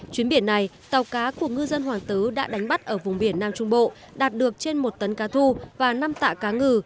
chuyến biển này tàu cá của ngư dân hoàng tứ đã đánh bắt ở vùng biển nam trung bộ đạt được trên một tấn cá thu và năm tạ cá ngừ